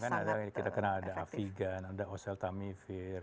memang kan kita kenal ada avigan ada oseltamivir